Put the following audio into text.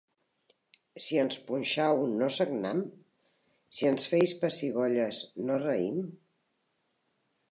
Si ens punxau, no sagnam? Si ens feis pessigolles, no reim?